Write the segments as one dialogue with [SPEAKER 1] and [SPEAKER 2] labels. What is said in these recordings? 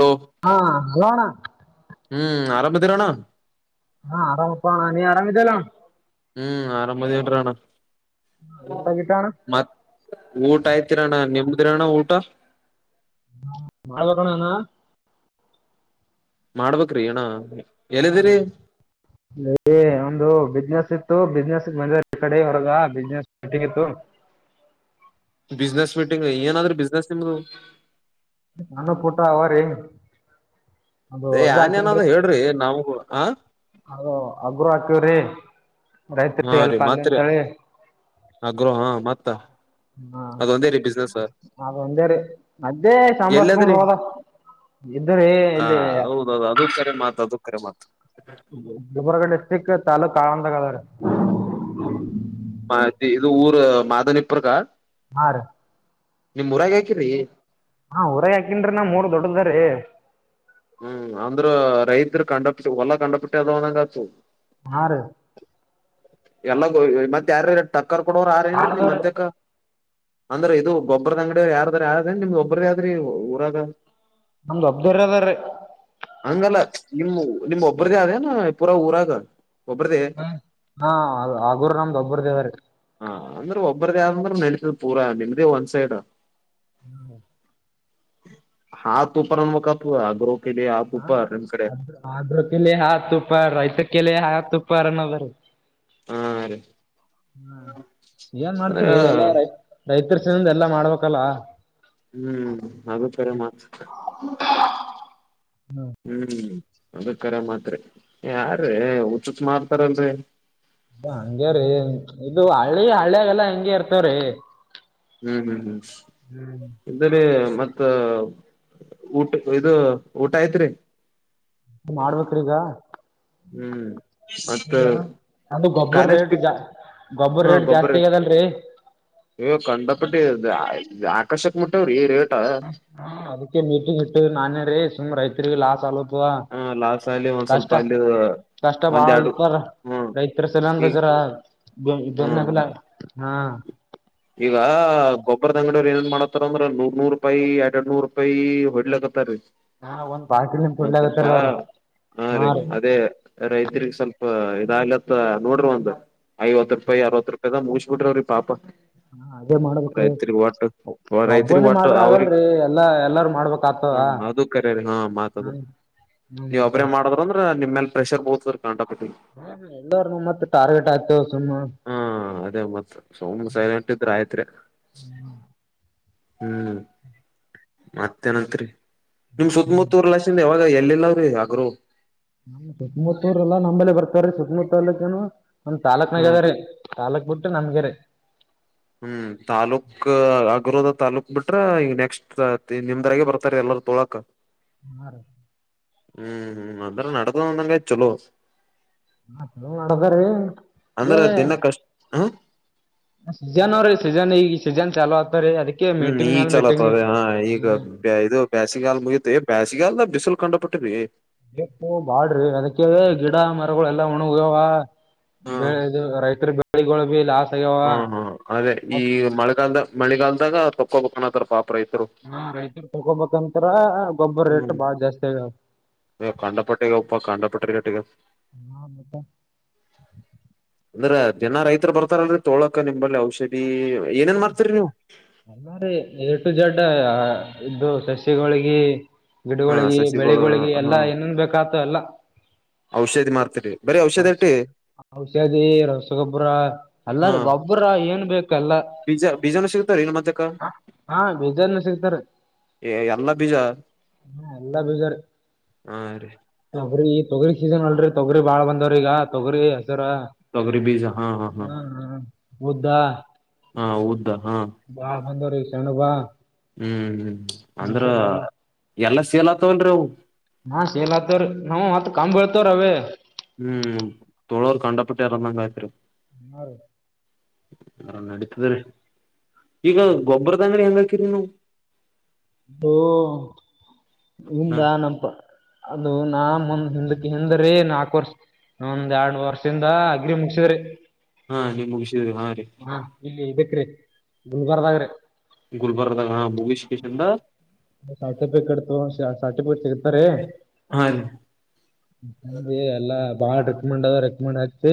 [SPEAKER 1] Hello
[SPEAKER 2] ಹಾ ಅಣ್ಣ
[SPEAKER 1] ಹ್ಮ್ ಆರಾಮಭದಿರೋಣ್ಣ
[SPEAKER 2] ಹಾ ಆರಾಮಪ್ಪ ಅಣ್ಣ ನೀ ಆರಾಮಿದ್ದಲ್ಲ
[SPEAKER 1] ಹ್ಮ್ ಆರಾಮದ ಣ
[SPEAKER 2] ಊಟ ಗೀಟ ಅಣ್ಣ
[SPEAKER 1] ಮ ಊಟ ಆಯ್ತಿರಣ್ಣ ನಿಮ ಎಂದ್ರಣ ಊಟ
[SPEAKER 2] ಮಾಡ್ಬೇಕಣಾನ
[SPEAKER 1] ಮಾಡ್ಬ್ರಿ ಏಣ್ಣ
[SPEAKER 2] ಹ್ಮ ಒಂದು ಬಿಸ್ನೆಸ್ ಇತ್ತು ಬಿಸ್ನೆಸ್ ಮಂದ ಕಡೆ ಹೊರಗ ಬಿಸ್ನೆಸ್ಟ್ಟಗತ್ತು
[SPEAKER 1] ಬಿಸ್ನೆಸ್ ಮೀಟಿಂಗ್ ಏನಾದ್ರೂ ಬಿಸ್ನೆಸ್ ನಿಮ್ದು
[SPEAKER 2] ನಾನು ಪುಟ ಅವಾರ ಏನು
[SPEAKER 1] ಆಏನ್ಏನಾದ್ರ ಹೇಳ್ರಿ ನಾವಗೂ ಹ
[SPEAKER 2] ಅದ ಅಗರು ಹಾಕವ್ರಿ ರೈತರಿ ಎಲ್ಪ ಅಲ್ಲಿ ಅಂತಿ
[SPEAKER 1] ಆಗ್ರೋಹ ಮತ್ತ
[SPEAKER 2] ಹಾ
[SPEAKER 1] ಅದೊಂದೇ ರೀ ಬಿಸ್ನೆಸ್
[SPEAKER 2] ಅ ಒಂದೇ ರೀ ಮದೆ ಸಂಂಬ್ರಸ್ಕೊಂಡ್ ಹೋದ ಇದ್ರಿ
[SPEAKER 1] ಹಾ
[SPEAKER 2] ಇಲ್ಲಿ
[SPEAKER 1] ಹೌದೌದು ಅದ ಕರೆ ಮಾತು ಅದು ಕರೆ ಮಾತು
[SPEAKER 2] ಗಿಬರ್ಗ ಡಿಸ್ಟ್ರಿಕ್ ತಾಲ್ಲೂಕು ಆಳಂದಾಗದ್ರೆ
[SPEAKER 1] ಮ ಇದು ಊರು ಮಾದನಿಪ್ಪರಕಾ
[SPEAKER 2] ಹಾ ರ
[SPEAKER 1] ನಿಮ್ ಊರಾಗ ಹಾಕಿರಿ
[SPEAKER 2] ಹಾ ಹೊರ ಹಾಕನ್ ನಾ ಮೂರ್ ದೊಡ್ಡದ್ರೀ
[SPEAKER 1] ಹ್ಮ್ ಅಂದ್ರ ರೈತರು ಕಂಡ ಬಿಟ್ಟ ಹೊಲ್ಲ ಕಂಡ ಬಿಟ್ಟ ಅದಂದಂಗತು
[SPEAKER 2] ಆರು
[SPEAKER 1] ಎಲ್ಲ ಮತ್ತತ್ ಯಾರ ಟಕ್ಕರ್ ಕೊಡವ್ರ ಆರ ಏನ್
[SPEAKER 2] ಭಾಳ
[SPEAKER 1] ನಿಮ್
[SPEAKER 2] ಅದಾವ ರೀ
[SPEAKER 1] ಮಂತೆಕ್ಕ ಅಂದ್ರೆ ಇದು ಗೊಬ್ರದ ಅಂಗಡಿ ಯಾರ್ದ್ರ ಯ ನಿಮ್ದ್ ಒಬ್ರದ ಯಾದ್ರಿ ಊರಾಗ
[SPEAKER 2] ನಮ್ದು ಅಬ್ದುರರದ್ರ
[SPEAKER 1] ಹಂಗಲ್ಲ ನಿಮ ನಿಮ್ ಒಬ್ಬ್ರ್ದ ಆದೇನ ಪೂರಾ ಊರಾಗ ಒಬ್ಬ್ರದೇ
[SPEAKER 2] ಹ್ಮ್ ಹಾ ಆಗೂರು ನಮ್ದೊಬ್ಬರ ದೇವ್ರೀ
[SPEAKER 1] ಒಬ್ಬರದ ಆಂದ ನೆಲ ಪೂರ ನಿದ ಒನ್ ಸೈಡ್
[SPEAKER 2] ಹ್ಮ್
[SPEAKER 1] ಹಾ ತು ಪ ಅನ್ವಕಪ್ಪ ಗ್ರೋ ಕೆ
[SPEAKER 2] ಹಾ ಅ್ರ ಅ್ರಕ ಹ ತ ಉಪ ರೈತ ಕೆಲ ಹತ್ತು ಉಪ್ಪರನ್ನ ಬರು
[SPEAKER 1] ಹಾ ರೀ
[SPEAKER 2] ಹ್ಮ ಏನ್
[SPEAKER 1] ಅಂದ್ರ
[SPEAKER 2] ಮಾಡ್ತರಿ ಎಲ್ಲಾ ರೈ ರೈತರಸಿನಂದ ಎಲ್ಲಾ ಮಾಡ್ಬೇಕಲ್ಲ
[SPEAKER 1] ಹ್ಮ್ ಹಾಗಗುತ್ತಾರೆಸ ಹ್ಮ್ ಅದ ಕರ ಮಾತ್ರಿ ಯಾರ ಉಚುತ್ ಮಾಡ್ತಾರಲ್ರಿ
[SPEAKER 2] ಹಂಗ್ಯ ರೀ ಇದು ಹಳ್ಳಿ ಹಳಿಯಾಗಲ್ಲಾ ಹೆಂಗಗೆ ಇರ್ತವ್ರೀ
[SPEAKER 1] ಹ್ಮ್ ಹ್ಮ್ ಹ್ಮ್ ಇದಾರೆ ಮತ್ತ ಊಟ ಇದು ಊಟ ಆಯತ್ರಿ
[SPEAKER 2] ಮಾಡ್ಬೇಕ್ರಿ ಈಗ
[SPEAKER 1] ಹ್ಮ್ ಮತ್ತ
[SPEAKER 2] ಈಗ ಅಂದು ಗೊಬ್ಬರ
[SPEAKER 1] ಕಾಲೇಜ್
[SPEAKER 2] ರೇಟ್ ಜಾ ಗೊಬ್ಬರ ರೇಟ್ ಜಾಸ್ತಿ ಆಗ್ಯದಲ್ರರಿ
[SPEAKER 1] ಯೋ ಕಂಡಪಟ್ಟಿ ಆಕರ್ಷಕ್ ಮುಟ್ಟೆವ್ರಿ ರೇ
[SPEAKER 2] ಹ್ಮ ಅದಕ್ಕೆ ಮೀಟಿಂಗ್ ಇಟ್ಟ ನಾನೇ ರೀ ಸುಮ್ ರೈತರಿರಿಗೆ ಲಾಸ್ ಆಲೋದ
[SPEAKER 1] ಹ ಲಾಸ್ ಅಲ್ಲಿ ಒಂದ್ ಸ್ವಲ್ಪ ಅಲ್ಲಿ
[SPEAKER 2] ಕಷ್ಟ
[SPEAKER 1] ಒಂದ್ ಎರಡು
[SPEAKER 2] ಬಾಳರ್
[SPEAKER 1] ಹ್ಮ್
[SPEAKER 2] ರೈತರ ಸಲಂದ
[SPEAKER 1] ಈಗ
[SPEAKER 2] ಜರ ಬೆನ್ನಲ್ಲ
[SPEAKER 1] ಹ್ಮ್
[SPEAKER 2] ಹಾ
[SPEAKER 1] ಈಗ ಗೊಬ್ಬರದ ಅಂಗಡವರು ಏನ್ ಮಾಡತಾರಂದ್ರ ನೂರ್ ನೂರ್ ರೂಪಾಯಿ ಎರಡ್ ಎರಡ್ ನೂರ್ ರೂಪಾಯಿ ಹೊಡ್ಲಕತ್ತೀ
[SPEAKER 2] ಹಾ ಒಂದ್ ಬಾಕಿಲ್ ನಿಮ್
[SPEAKER 1] ಒಂದ ಸ್ವಲ್ಪ
[SPEAKER 2] ಕೊಡ್ಲಾಗತ್ತಾರ ಅವ್ರು
[SPEAKER 1] ಹಾ ರೀ ಅದೇ ರೈತರಿಗೆ ಸ್ವಲ್ಪ ಇದಾಗ್ಲತ್ತ ನೋಡ್ರಿ ಒಂದ್ ಐವತ್ತು ರೂಪಾಯಿ ಅರವತ್ತು ರೂಪಾಯಿದಾಗ ಮುಗಿಸ ಬಿಟ್ರವ್ರೀ ಪಾಪ
[SPEAKER 2] ಹ ಅದೇ ಮಾಡ್ಬೇಕ್ರಿ
[SPEAKER 1] ರೈತ್ರಿಗ್ ಒಟ್ಟು ರೈತ್ರಿಗ್
[SPEAKER 2] ಒಬ್ಬನೇ
[SPEAKER 1] ಒಟ್ಟು
[SPEAKER 2] ಮಾಡ್ರಿ ಆಗಲ್ರಿ ಎಲ್ಲಾ ಎಲ್ಲಾರು ಮಾಡ್ಬೇಕಕ್ ಆತ
[SPEAKER 1] ಹ್ಮ ಅದು ಕರರಿ ಹಾ ಮಾತದು
[SPEAKER 2] ಹ್ಮ
[SPEAKER 1] ನೀವ್
[SPEAKER 2] ಮತ್ತ
[SPEAKER 1] ಒಬ್ರೇ ಮಾಡದ್ರ ಅಂದ್ರ ನಿಮ್ಮೇಲ್ ಪ್ರೆಷರ್ ಬೋ
[SPEAKER 2] ಹ್ಮ ಎಲ್ಲರ್ನು ಮತ್ ಟಾರ್ಗೆಟ್ ಆಯ್ತು ಸುಮ್ನೆ
[SPEAKER 1] ಹಾ ಅದೇ ಮತ್ ಸುಮನೆ ಸೈಲೆಂಟ್ ಇದ ಇದ್ರೆ ಆಯ್ತ್ರಿ ಹ್ಮ್ ಮತ್ತ ಏನತ್ರಿ ನಿಮ್ ಸುತ್ತಮುತ್ತೂರ್ ಲನ್ ಯಾವಾಗ ಇಲ್ಲಲ್ಲ್ರೀ ಆಗ್ರೂ
[SPEAKER 2] ನಮ್ ಸುತ್ತಮುತ್ತೂರಲ್ಲಾ ನಂಬಲೆ ಬರ್ತಾರೀ ಸುತ್ತಮುತ್ತ ಅಲಕ್ಕಏನು ಒಂದ್
[SPEAKER 1] ಹ
[SPEAKER 2] ತಾಲಕ್ನಾಗ್ಯದ ರೀ ತಾಲಕ್ ಬಿಟ್ರ ನಮ್ಗೆ ರ
[SPEAKER 1] ಹ್ಮ್ ತಾಲೂಕ್ [unintelligible] [unintelligible] ತಾಲೂಕ್ ಬಿಟ್ರ ಈಗ ನೆಕ್ಸ್ಟ್ ನಿಮ್ದರಾಗೆ ಬರ್ತಾರ ಎಲ್ಲರು ತೊಳಕ
[SPEAKER 2] [unintelligible]
[SPEAKER 1] ಹ್ಮ್ ಹ್ಮ್ [unintelligible] ಚೊಲೋ
[SPEAKER 2] [unintelligible]
[SPEAKER 1] ಅಂದ್ರ ದಿನ ಕಷ್ಟ ಹ
[SPEAKER 2] ಸೀಜನ್ ಅವರೀ ಸೀಜನ್ ಈ ಸೀಜನ್ ಚಾಲೂ [unintelligible]
[SPEAKER 1] ಹ್ಮ್
[SPEAKER 2] ಮೀಟಿಂಗ್
[SPEAKER 1] ಈ
[SPEAKER 2] ಮ್ಯಾಲ ಮೀಟಿಂಗ್
[SPEAKER 1] [unintelligible] ಈಗ
[SPEAKER 2] ಹ್ಮ
[SPEAKER 1] ಇದು ಬೇಸಿಗಾಲ್ ಮುಗತ ಬೇಸಗಾಲ್ದ ಬಿಸಲ್ ಕಂಡು ಪಟ್ಟರಿ
[SPEAKER 2] [unintelligible] ಬಾಡ್ರಿ ಅದಕ್ಕೆ ಗಿಡ ಮರಗಳೆಲ್ಲ ವಣಿಗ್ಯಾವ
[SPEAKER 1] ಹ
[SPEAKER 2] ಬೆಳೆ ಇದು ರೈತರ ಬೆಳೆಗಳು ಭಿ ಲಾಸ್ ಆಗ್ಯಾವ
[SPEAKER 1] ಹಾ ಹಾ ಅದೇ ಈ ಮಳೆಗಾಲದ ಮಳೆಗಾಲದಾಗ [unintelligible]
[SPEAKER 2] ಹ ರೈತರು ತಗೊಬೇಕಂತರ ಗೊಬ್ಬರ ರೇಟ್
[SPEAKER 1] ಹ್ಮ್
[SPEAKER 2] ಬಾಳ್ ಜಸ್ತಿ ಹಗವ್
[SPEAKER 1] ಕಂಡಪಟ್ಟಿಗಪ್ಪ ಕಂಡಪಟ್ಟಿ ರೇಟಿಗೆ
[SPEAKER 2] [unintelligible]
[SPEAKER 1] ಅಂದ್ರ ದಿನ ರೈತರು ಬರ್ತಾರಲ್ರಿ ತೊಳಕ ನಿಂಬಲ್ಲಿ ಔಷಧಿ ಏನೇನ್ ಮಾರ್ತರಿ ನೀವು
[SPEAKER 2] [unintelligible] ಎ ಟು ಜಡ್ ಇದ್ದ ಸಸ್ಯಿಗಳೊಳ್ಗಿ
[SPEAKER 1] ಹಾ
[SPEAKER 2] ಗಿಡಗಳಗಿ
[SPEAKER 1] ಸಸಿಗಳು
[SPEAKER 2] ಬೆಳಿಗಳಿಗಿ
[SPEAKER 1] ಹಾ
[SPEAKER 2] ಎಲ್ಲಾ ಏನನ್ ಬೇಕಾತ ಎಲ್ಲ
[SPEAKER 1] ಔಷಧಿ ಮಾರ್ತರಿ ಬರೀ ಔಷಧಿ ಅಟ್ಟಿ
[SPEAKER 2] ಔಷಾದಿ ರಸಗೊಬ್ಬರ ಅಲ್ಲಾರ್ ಗೊಬ್ಬರ ಏನ್ ಬೇಕ ಎಲ್ಲಾ
[SPEAKER 1] ಬೀಜಾ ಬೀಜಾ ನ
[SPEAKER 2] ಹಾ ಬೀಜಾನ ಸಿಗ್ತಾರ
[SPEAKER 1] [unintelligible] ಎಲ್ಲ ಬೀಜ
[SPEAKER 2] ಹಾ ಎಲ್ಲಾ ಬೀಜಾರಿ
[SPEAKER 1] ಹಾ ರೀ
[SPEAKER 2] ತೊಗರಿ ತೊಗರಿ ಸೀಸನ್ ಅಲ್ರಿ ತೊಗರಿ ಬಾಳ ಬಂದವ್ರ ಈಗ ತೊಗರಿ ಹೆಸರ
[SPEAKER 1] ತೊಗರಿ ಬೀಜ ಹಾ ಹಾ ಹಾ
[SPEAKER 2] ಹ ಹ
[SPEAKER 1] ಹಾ ಹೌದು
[SPEAKER 2] ಬಾ ಬಂದವ್ರೀ [unintelligible]
[SPEAKER 1] ಹ್ಮ್ ಹ್ಮ್ ಅಂದ್ರ ಎಲ್ಲಾ ಸೀಲ್ತವಲ್ರೀ ಅವು
[SPEAKER 2] ಹಾ ಸೇಲ್ ಹತಾವ್ರಿ ನಾವ್ ಮತ್ ಕಾಂ ಬಿಳ್ತ್ವರೀ ಅವೇ
[SPEAKER 1] ಹ್ಮ್ ತೋಳೋರ್ ಕಂಡಪಟ್ಟ [unintelligible]
[SPEAKER 2] ಹಾ ರೀ
[SPEAKER 1] ಹ ನಡೀತದ್ರೀ ಈಗ ಗೊಬ್ಬರದ ಅಂಗಡಿ ಹೆಂಗ್ ಹಾಕಿರಿ ನೀವು
[SPEAKER 2] [unintelligible] ಹಿಂದ
[SPEAKER 1] ಹಾ
[SPEAKER 2] ನಪ ಅದು ನಾ ಮಂದ್ ಹಿಂದ್ ಹಿಂದ್ರೀ ನಾಲ್ಕು ವರ್ಷ ಒಂದ್ ಎರಡ್ ವರ್ಷಿಂದ ಅಗ್ರಿ ಮುಗಿಸಿದ್ರಿ
[SPEAKER 1] [unintelligible] ಹಾ ರೀ
[SPEAKER 2] [inaudible]
[SPEAKER 1] ಗುಲ್ಬರ್ದ ಹ [unintelligible]
[SPEAKER 2] ಸರ್ಟಿಫಿಕೆಟ್ [unintelligible] ಸರ್ಟಿಫಿಕೆಟ್ ಸಿಗತಾರಿ
[SPEAKER 1] ಹಾ ರೀ
[SPEAKER 2] [unintelligible] ಎಲ್ಲಾ [unintelligible] ರೆಮಂಡ ರೆಕ್ಮಂಡ್ ಹಾಕ್ಸಿ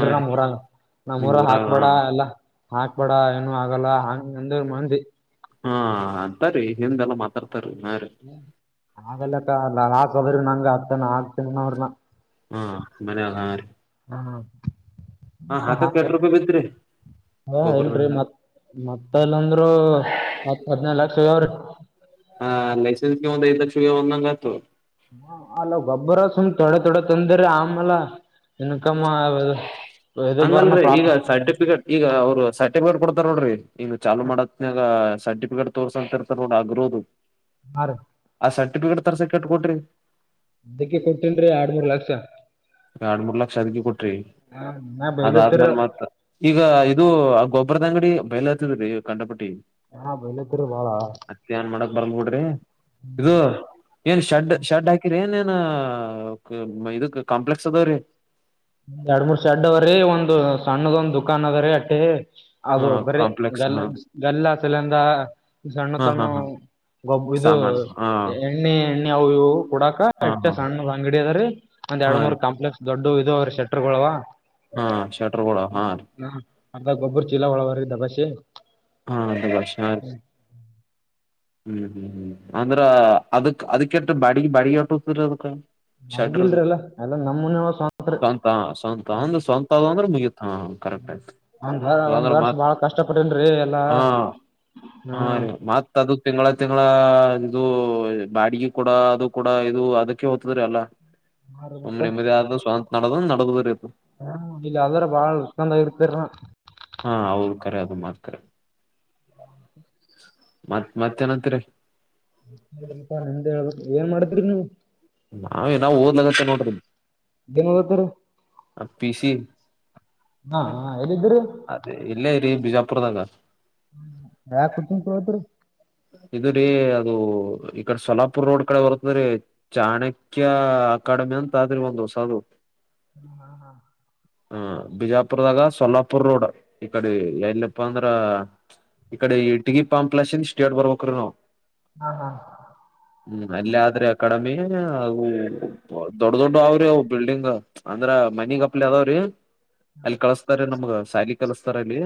[SPEAKER 1] ಹಾ ರೀ
[SPEAKER 2] ನಮ್ಮ್ ಊರ ನಮ್ಮ್
[SPEAKER 1] ನಿಮ್
[SPEAKER 2] ಊರಗ್
[SPEAKER 1] ಊರಾಗ ಹಾ
[SPEAKER 2] ಹಾಕ್ಬೇಡ ಎಲ್ಲಾ ಹಾಕ್ಬೇಡ ಏನು ಆಗಲ್ಲ ಹಾಂಗ ಅಂದ್ರು ಮಂದಿ
[SPEAKER 1] ಹಾ ಅಂತರಿ ಹಿಂದೆಲ್ಲಾ ಮಾತಾ [unintelligible]
[SPEAKER 2] ಆಲ್ಲಕ್ಕಲ್ಲ ರಾಕ್ದ್ರ ನಂಗ ಅತ್ತನ ಆಗ್ತನ ಅವ್ರನ
[SPEAKER 1] ಹಾ ಮನೆ
[SPEAKER 2] ಹಾ
[SPEAKER 1] [unintelligible]
[SPEAKER 2] ಹಾಕ್ಬೇಕ
[SPEAKER 1] ರೂಪಾಯಿ ಬಿತ್ರಿ
[SPEAKER 2] ಹಾ ಎಲ್ರಿ
[SPEAKER 1] ಗೊಬ್ಬರದಂಗಡ
[SPEAKER 2] ಮತ್ ಮತ್ತ [unintelligible] ಅಂದ್ರು ಹತ್ ಹದಿನೈದ್ ಲಕ್ಷ ಹೊಗವ್ರೀ
[SPEAKER 1] ಹಾ ಲೈಸೆನ್ಸ್ ಕೆ ಒಂದ್ ಐದ್ ಲಕ್ಷ್ ಹೊಗ್ಯವ್ ಅಂತ್ ಆಯ್ತು
[SPEAKER 2] ಹಾ ಅಲ ಗಬ್ಬರ ಸುಮ್ ಥೋಡೆ ಥೋಡೆ ತಂದರೆ ಅಮೆಲ ಬರ್ನ
[SPEAKER 1] ಹಂಗಲ್ರರಿ ಈಗ
[SPEAKER 2] ಪ್ರಾಪ್
[SPEAKER 1] ಸರ್ಟಿಫಿಕೇಟ ಇಗ ಅವರು ಸರ್ಟಿಫಿಕೇಟ್ [unintelligible] ನೋಡ್ರಿ ಇಂಗ ಚಾಲು ಮಾಡತ್ನಾಗ ಸರ್ಟಿಫಿಕೇಟ್ ತೋರ್ಸ [unintelligible] ಆಗಿರೋದು
[SPEAKER 2] ಹಾ ರೀ
[SPEAKER 1] ಆ ಸರ್ಟಿಫಿಕೇಟ್ ತರಸಕ್ಕೆ ಎಷ್ಟ್ ಕೊಟ್ರಿ
[SPEAKER 2] ಅದಕ್ಕೆ ಕೊಟ್ಟೇನ್ರಿ ಎರಡ್ ಮೂರ್ ಲಕ್ಷ.
[SPEAKER 1] [unintelligible] ದಗಿ ಕೊಟ್ರಿ
[SPEAKER 2] ಹಾ ಮನ್ಯಾಗ
[SPEAKER 1] ಅದಾದ್ಮೇಲೆ
[SPEAKER 2] ಬೈಲತ್ತಿರ
[SPEAKER 1] ಮತ್ ಈಗ ಇದು ಗೊ ಒಬ್ರದ ಅಂಗಡಿ ಬಯಲ ಹತ್ತಿದ ರೀ ಕಂಡಟ್ಟ
[SPEAKER 2] ಹಾ ಬೋಲ
[SPEAKER 1] ಮತ್ತ ಏನ್ ಮಾಡಕ್ ಬರ್ಲ್ ಬಿಡ್ರಿ ಇದು ಏನ್ ಶಡ್ ಶರ್ಡ್ ಹಾಕಿರಿ ಏನ್ ಏನ್ ಇದಕ್ ಕಾಂಪ್ಲೆಕ್ಸ್ ಅದಾವ್ರೀ
[SPEAKER 2] ಎರಡ್ ಮೂರ್ ಶೆಡ್ದ್ರೀ ಒಂದ್ ಸಣ್ಣದೊಂದ್ ದುಕಾನ್ಗರೀ ಅಟ್ಟೆ
[SPEAKER 1] ಹಾ
[SPEAKER 2] ಅದು ಬರೀ
[SPEAKER 1] ಕಾಂಪ್ಲೆಕ್ಸ್
[SPEAKER 2] ಗಲ್ಲ
[SPEAKER 1] ಹಾ
[SPEAKER 2] ಗಲ್ಲ ಫಿಲಂದ ಸಣ್ಣ
[SPEAKER 1] ಹಾ ಹಾ
[SPEAKER 2] ಸಣ್ಣು
[SPEAKER 1] ಹಾ
[SPEAKER 2] ಗಬ್ಬು ಇದು
[SPEAKER 1] ಸಾಮಾನು ಹಾ
[SPEAKER 2] ಎಣ್ಣೆ ಎಣ್ಣೆ ಅವು ಇವು ಕುಡಾಕ
[SPEAKER 1] ಹಾ
[SPEAKER 2] ಎಟ್ಟೆ
[SPEAKER 1] ಹಾ
[SPEAKER 2] ಸಣ್ಣ ಅಂಗಡಿ ಅದ್ರೀ ಒಂದ್
[SPEAKER 1] ಹಾ
[SPEAKER 2] ಎರಡು ಮೂರ್
[SPEAKER 1] ರೀ
[SPEAKER 2] ಕಾಂಪ್ಲೆಕ್ಸ್ ದೊಡ್ಡ ಇದು ಅವ್ರರು ಶೆಟರ್ಗಳುವ
[SPEAKER 1] ಹಾ ಶಟರ್ಗಳವಾ
[SPEAKER 2] ಅದಾಗ ಗೊಬ್ಬರು ಚೀಲ ಹೊಳವರ್ ದ ಬಸೆ
[SPEAKER 1] ಹಾ ಅದ ಹಷಾ ಹ್ಮ್ ಹ್ಮ್ ಅಂದ್ರ ಅದ್ ಅದಕ್ಕೆಷ್ಟ ಬಾಡ್ಗೆ ಬಾಡಿಗೆ ಹೊಟರ ಅದಕ್ಕ ಚಡ್ರು
[SPEAKER 2] ಅಡ್ಗಿಲ್ರಿ ಎಲ್ಲ ಎಲ್ಲ ನಮ್ಮನೆ
[SPEAKER 1] ಸ್ವಂತ ಸ್ವಂತ ಅಂದ್ರ ಸ್ವಂತ ಅ ಅಂದ್ರೆ ಮುಗುತ್ತಾ ಕರೆಕ್ಟ್ ಆಯ್ತು
[SPEAKER 2] ಒಂದ ಒಂದ್
[SPEAKER 1] ಇಲ್ಲಾಂದ್ರ
[SPEAKER 2] ವರ್ಷ
[SPEAKER 1] ಮತ್
[SPEAKER 2] ಬಾಳ ಕಷ್ಟ ಪಟ್ಟನ್ರೀ
[SPEAKER 1] ಹಾ ಹಾ ರೀ ಮತ್ತ ಅದು ತಿಂಗ್ಳ ತಿಂಗ್ಳ ಇದು ಬಾಡಿಗೆ ಕೂಡ ಅದು ಕೂಡ ಇದು ಅದಕ್ಕೆ ಓತ್ತದ್ರಿ ಅಲ್ಲ
[SPEAKER 2] ಹಾ ರೀ
[SPEAKER 1] ಸುಮ್ಮ್
[SPEAKER 2] ಮತ್ತ
[SPEAKER 1] ನಿಮ್ಮಿ ಗಾದ್ರು ಸ್ವಂತ ನಡ್ದ ನಡದ್ರೀ
[SPEAKER 2] ಹಾ ಇಲ್ಲ ಅಲ್ಲರೂ ಬಾಳ ಉಕಂದ ಇಡ್ತರ
[SPEAKER 1] ಹಾ ಹೌದು ಕರೆ ಅದು ಮಾತ್ರ ಮತ್ ಮತ್ತೆ ಏನಂತೀರಿ
[SPEAKER 2] ಸ್ವಲ್ಪ ನಿಮ್ದ್ ಹೇಳ್ಬು ಏನ್ ಮಾಡಿದ್ರರಿ ನೀವು
[SPEAKER 1] ನಾವೇ ಏನಾ ಓದ್ಲಾಗತ್ತೆ ನೋಡ್ರಿ
[SPEAKER 2] ಏನ್ ಓದತ್ತೀರಿ
[SPEAKER 1] ಆ ಪಿಸಿ
[SPEAKER 2] ಹಾ ಹಾ ಎಲ್ಲಿದ್ದೀರಿ
[SPEAKER 1] ಅದೇ ಇಲ್ಲೇ ಇರಿೀ ಬಿಜಾಪುರದಾಗ
[SPEAKER 2] ಯಾಕುತ್ತನ್ ತಗೊಳ್ಳುತ್ತೀರಿ
[SPEAKER 1] ಇ್ರೀ ಅದು ಈ ಕಡೆ ಸೋಲಾಪುರ್ ರೋಡ್ ಕಡೆ ಬರ್ತದ್ರೀ ಚಾಣಕ್ಯ ಅಕಾಡೆಮಿ ಅಂತ ಅಂದ್ರೆ ಒಂದು ಹೊಸ ಅದು
[SPEAKER 2] ಹ ಹಾ ಹಾ
[SPEAKER 1] ಹ ಬಿಜಾಪುರದಾಗ ಸೊಲ್ಲಾಪುರ್ ರೋಡ್ ಈ ಕಡೆ ಎಲ್ಲಪ್ಪಾ ಅಂದ್ರ ಈ ಕಡೆ ಇಟ್ಗಿ ಪಾಂಪ್ಲಸ್ ಸ್ಟೇಡ್ ಬರ್ಬೇಕರು ನಾವು
[SPEAKER 2] ಹಾ ಹಾ
[SPEAKER 1] ಹ್ಮ್ ಅಲ್ಲ ಆದ್ರೆ ಅ ಕಡೆಮ್ ವೀರಣ್ಣ ಅವು ದೊಡ್ ದೊಡ್ಡ ಅವ್ರಿ ಆ ಬಿಲ್ಡಿಂಗ್ ಅಂದ್ರ ಮನಿ ಗಪ್ಲಾ ಅದಾವ್ರಿ ಅಲ್ಲಿ ಕಳಸ್ತಾರೆ ನಮ್ಗ ಸಾಲಿ ಕಲಸ್ತಾರ ಅಲ್ಲಿ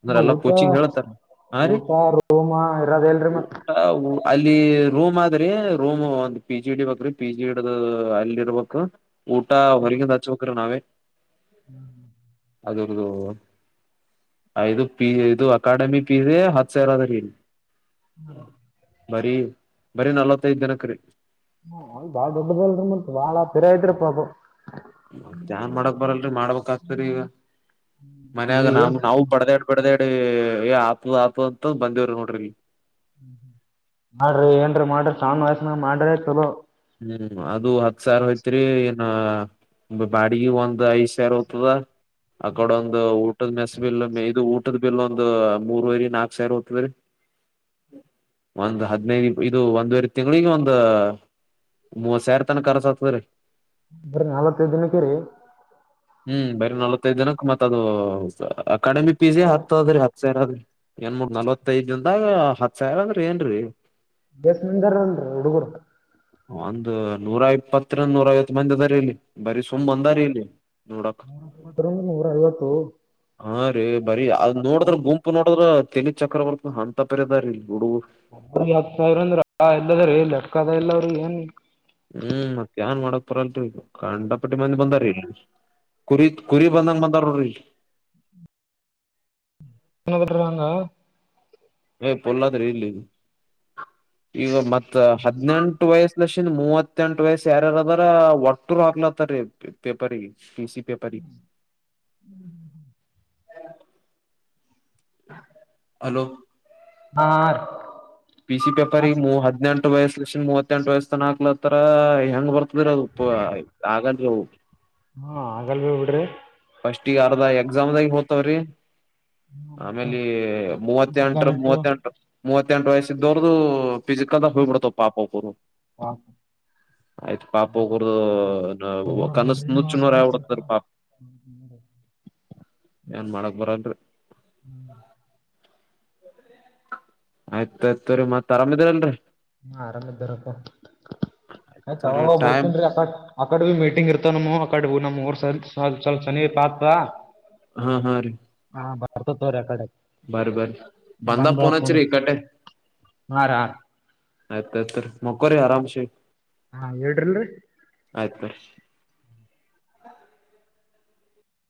[SPEAKER 1] ಅಂದ್ರ ಎಲ್ಲ
[SPEAKER 2] ಊಟ
[SPEAKER 1] ಕೋಚಿಂಗ್ ಹೇಳತಾರ ಹಾ ರೀ
[SPEAKER 2] ಊಟ ರೂಮ ಇರೋದ ಇಲ್ರಿ ಮತ್
[SPEAKER 1] ಊಟ ಊ ಅಲ್ಲಿ ರೋಮ್ ಆದ್ರೆ ರೂಮ್ ಒಂದ್ ಪಿಜಿ ಇಡಿ ಬ್ರಿ ಪಿಜಿ ಇಡ ಅಲ್ಲಿ ಇರ್ಬೇಕ ಊಟ ಹೊರಗಿಂದ ಹಚ್ಬೇಕ್ರ ನಾವೇ
[SPEAKER 2] ಹ್ಮ್ ಹ್ಮ್
[SPEAKER 1] ಅಗರ್ದು ಐದು ಪಿ ಇದು ಅಕಾಡೆಮಿ ಪೀಸ ಹತ್ತು ಸಾವಿರ ಅದ ರೀ
[SPEAKER 2] ಹಾ
[SPEAKER 1] ಬರೀ ಬರೀ ನಲ್ವತ್ತೈದ್ ಜನಕ ರೀ
[SPEAKER 2] ಹ್ಮ ಅವ ಬಾಳ ದೊಡ್ಡದಲ್ರಿ ಮುಂಟ ಬಾಳ ಪಿರ ಐತ್್ರಿ ಪ್ರಾಬು
[SPEAKER 1] ಜಾನ್ ಮಾಡಕ್ ಬರಲ್ರರಿ ಮಾಡ್ಬೇಕಕ್ ಆಸ್ತರಿ ಈಗ ಮನ್ಯಾಗ ನಾ
[SPEAKER 2] ಏನ್
[SPEAKER 1] ನಾವು ಬಡ್ದ ಬಿಡ್ದಡಿ ಆಪು ಆಪು ಅಂತ ಬಂದವ್ರಿ ನೋಡ್ರಿ
[SPEAKER 2] ಅಂಡ್ರು ಏನ್ರಿ ಮಾಡ್ರಿ ಸಾವಣ್ಣ ವಯಸ್ಸಿನಾಗ ಮಾಡ್ರಿ ಚಲೋ
[SPEAKER 1] ಹ್ಮ್ ಅದು ಹತ್ ಸಾವಿ ಹಯ್ತ್ರಿ ಏನ ಬಾಡಿಗೆ ಒಂದ್ ಐದ್ ಸಾವಿರ ಹೋಗ್ತದ ಆ ಕಡ ಒಂದು ಊ ಊಟದ ಮೆಸ್ ಬಿಲ್ ಇದು ಊಟದ ಬಿಲ್ ಒಂದ ಮೂರ್ವರಿ ನಾಕ್ ಸಾವಿರ ಹೋಗ್ತದ್ರೀ ಒಂದ್ ಹದ್ಿನೈದು ಇದು ಒಂದ್ುವರೆ ತಿಂಗಳಿಗೆ ಒಂದ ಮೂವತ್ ಸಾವಿರ ತನ ಕರ್ಸ ಆತದ ರೀ
[SPEAKER 2] ಬರಿ ನಾಲ್ವತ್ತೈದು ದಿನಕ್ಕೆರಿ
[SPEAKER 1] ಹ್ಮ್ ಬರಿ ನಲವತ್ತೈದು ದಿನಕ್ ಮತ್ ಅದು ಅಕಾಡೆಮಿ ಪಿ ಜಿ ಹತ್ತದ್ರಿ ಹತ್ ಸಾವಿರ ಅದ್ರಿ ಎಣ ಮೂೂರ್ ನಲ್ವತ್ತೈದ್ಂದಾಗ ಹತ್ ಸಾವಿರ ಅಂದ್ರ ಏನ್ರರಿ
[SPEAKER 2] ಬಸ್ಂದರನ್ೀ ಹುಡುಗರು
[SPEAKER 1] ಒಂದು್ ನೂರ ಇಪ್ಪತ್ತ್ರಂದ ನೂರ ಐವತ್ತು ಮಂದಿ ಅದಾರ ಇಲ್ಲಿ ಬರೀ ಸುಮ್ ಒಂದಾರ ಇಲ್ಲಿ ನೋಡಕ್
[SPEAKER 2] ನೂರಪ್ಪತ್ತರಂಗ ನೂರ ಐವತ್ತು
[SPEAKER 1] ಹಾ ರೀ ಬರೀ ಅದ್ ನೋಡಿದ್ರ ಗುಂಪು ನೋಡದ್ರ ತೆಿನಿ ಚಕ್ರ ಬರ್ತ ಅಂತ ಪರದಾರಿೀಲ್ಲಿ
[SPEAKER 2] ಹತ್ತು ಸಾವಿರ ಅಂದ್ರ ಎಲ್ಲದ್ರ ಲಟ್ಕದ ಇಲ್ಲವ್ರಿ ಏನ್
[SPEAKER 1] ಹ್ಮ್ ಮತ್ತೇಏನ್ ಮಾಡಕ್ ಪರಲ್ರಿ ಇದು ಗಂಡಪಟ್ಟಿ ಮಂದಿ ಬಂದಾರಿ ಇಲ್ಲಿ ಕುರಿ ಕುರಿ ಬಂದಂಗ ಬಂದವರ್ರಿ
[SPEAKER 2] ಎನ್ನ ಬಿರುವಂಗ
[SPEAKER 1] ಏ ಪೊಲ್ಲಾದ್ರೆ ಇಲ್ಲಿ ಈಗ ಮತ್ತ ಹದ್ಿನೆಂಟು ವಯಸ್ ಇ ಲಕ್ಷದ ಮೂವತ್ತೆಂಟು ವಯಸ್ಸ ಯಾರ್ಯಾರದ್ರ ಒಟ್ಟರು ಹಾಕ್ಲತ್ತ ರೀ ಪೇಪರ್ಗೆ ಟ ಸಿ ಪೇಪರಿ ಹಲೋ
[SPEAKER 2] ಆಾರ
[SPEAKER 1] ಪಿ ಸಿ ಪೇಪರ್ ಈ ಮೂ ಹದಿನೆಂಟು ಎು ವಯಸ್ಸಷ್ಟ ಮೂವತ್ತೆಂಟು ವಯಸ್ಸ ತನ ಹಾಕ್ಲತ್ತರ ಹೆಂಗ್ ಬರ್ತದ್ರ ಅದು ಆಗಾದ್ರ
[SPEAKER 2] ಹ್ಮ ಆಗಲ್ ಬಿ ಬಿಡ್ರಿ
[SPEAKER 1] ಫಸ್ಟ್ ಇರ್ದ ಎಕ್ಸಾಮ್ದಾಗ ಹೋ್ತವ್ರಿ
[SPEAKER 2] ಹ ಮತ್ತ
[SPEAKER 1] ಆಮೇಲೆ ಮೂವತ್ತೆಂಟ್ರ
[SPEAKER 2] ಕಾಲಿಟ್ಟು
[SPEAKER 1] ಮೂವತ್ತೆಂಟ ಮೂವತ್ತೆಂಟು ವಯಸ್ಸ್ದವ್ರದು ಪ ಕದ ಹ್ ಮಾಡತ ಪಾಪ ಕೊೂರರು ಆಯ್ತು ಪಪ ಒಗರ
[SPEAKER 2] ಒಬ್ಬರೊಬ್ರು
[SPEAKER 1] ಕನಸು ನುಚ್ಚು ನೂರು ಹಾಗ್ಬಿಡಿತು ಪಾಪ
[SPEAKER 2] ಹ್ಮ
[SPEAKER 1] ಏನ್ ಮಾಡಕ್ ಬನ್ರಿ
[SPEAKER 2] ಹ್ಮ್
[SPEAKER 1] ಆಯ್ತ್ಾಯತ್ವರಿ ಮತ್ ಆರಾಮಿದೀರಲ್ರಿ
[SPEAKER 2] ಹ್ಮ ಆರಾಮ ಇದ್ದಾರಪ್ಪ ಆಯ್ತ
[SPEAKER 1] ಸರಿ
[SPEAKER 2] ತಾಗ
[SPEAKER 1] ಟೈಮ್
[SPEAKER 2] ಬರ್ತನ್ೀ ಅಕ್ಕಕ್ ಆಕಡ್ ಭ ಮೀಟಿಂಗ್ ಇರ್ತ ನಮ ಅಕಡ ನಮ್ ಊರ್ ಸಲ್ ಸ್ವಲ್ಪ ಶನಿ ಪಾತ್
[SPEAKER 1] ಹಾ ಹಾ ರೀ
[SPEAKER 2] ಅರ್ಥತ್ವರ ಕಡೆ
[SPEAKER 1] ಬರ ಬರ ಬಂದ
[SPEAKER 2] ಬಂದ್ ಬಿಡಾಕ್
[SPEAKER 1] ಪೋನಚ್
[SPEAKER 2] ಫೋನ್
[SPEAKER 1] ರೀ
[SPEAKER 2] ಹಚ್ಚ್ರಿ.
[SPEAKER 1] ಕಟೆ
[SPEAKER 2] ಹಾ ರಾ
[SPEAKER 1] ಆಯ್ತ ಆ್ತ ರೀ ಮಕ್ಕರಿ ಆರಾಮಸೆ
[SPEAKER 2] ಹಾ ಹೇಳೇ್ರಿಲ್ರರಿ